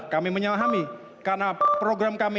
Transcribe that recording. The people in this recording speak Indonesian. kami menyelami karena program kami